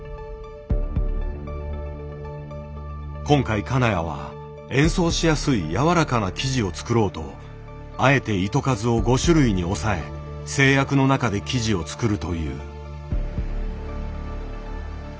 今回金谷は演奏しやすいやわらかな生地を作ろうとあえて糸数を５種類に抑え制約の中で生地を作るという。